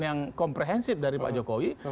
yang komprehensif dari pak jokowi